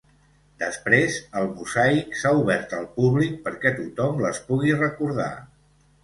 Després, el mosaic s’ha obert al públic perquè tothom les pugui recordar.